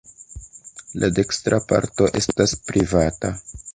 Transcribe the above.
La dekstra parto estas privata.